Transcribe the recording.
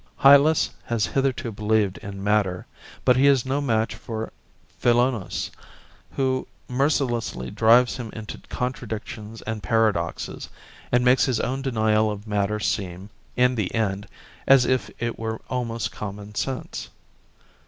Hylas has hitherto believed in matter, but he is no match for Philonous, who mercilessly drives him into contradictions and paradoxes, and makes his own denial of matter seem, in the end, as if it were almost common sense.